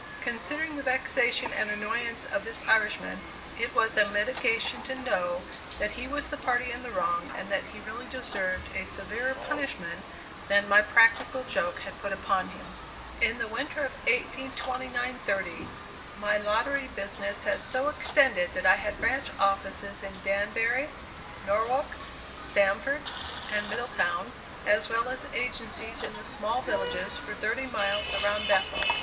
Considering the vexation and annoyance of this Irishman, it was a mitigation to know that he was the party in the wrong and that he really deserved a severer punishment than my practical joke had put upon him. In the winter of 1829 30, my lottery business had so extended that I had branch offices in Danbury, Norwalk, Stamford and Middletown, as well as agencies in the small villages for thirty miles around Bethel.